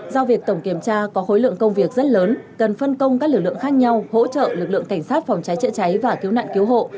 do việc tổng kiểm tra có khối lượng công việc rất lớn cần phân công các lực lượng khác nhau hỗ trợ lực lượng cảnh sát phòng cháy chữa cháy và cứu nạn cứu hộ